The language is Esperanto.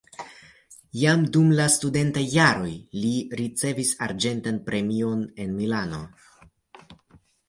Jam dum la studentaj jaroj li ricevis arĝentan premion en Milano.